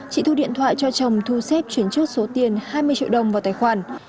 chị thu điện thoại cho chồng thu xếp chuyển trước số tiền hai mươi triệu đồng vào tài khoản